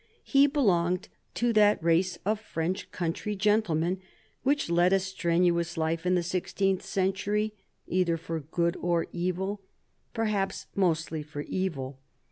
He belonged to that race of French country gentlemen which led a strenuous life in the sixteenth century, either for good or evil — perhaps mostly for evil.